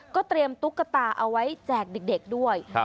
เตรียมตุ๊กตาเอาไว้แจกเด็กด้วย